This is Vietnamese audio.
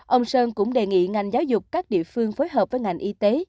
ông sơn cũng đề nghị ngành giáo dục các địa phương phối hợp với ngành y tế